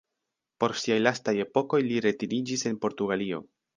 Por siaj lastaj epokoj li retiriĝis en Portugalio.